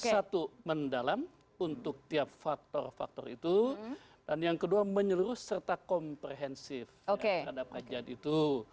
satu mendalam untuk tiap faktor faktor itu dan yang kedua menyeluruh serta komprehensif terhadap kajian itu